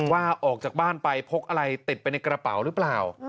ออกจากบ้านไปพกอะไรติดไปในกระเป๋าหรือเปล่า